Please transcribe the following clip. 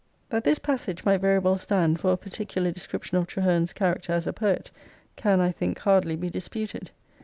^ That this passage might very well stand for a parti cular description of Traherne's character as a poet can, 1 think, hardly be disputed.